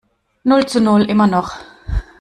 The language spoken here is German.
Null zu Null, immer noch.